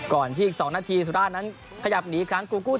ก่อนที่อีก๒นาทีสุราธนีฟนั้นขยับหนีข้างกูกู